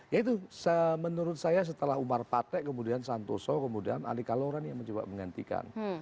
ya itu menurut saya setelah umar pate kemudian santoso kemudian ali kalora ini yang mencoba menggantikan